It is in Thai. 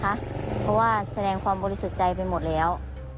เพราะว่าแสดงความบริสุทธิ์ใจไปหมดแล้ว